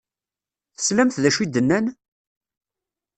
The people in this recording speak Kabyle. Teslamt d acu i d-nnan?